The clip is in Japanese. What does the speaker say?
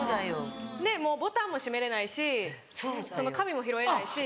ボタンもしめれないし紙も拾えないし。